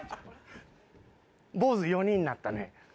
坊ず４人になったね。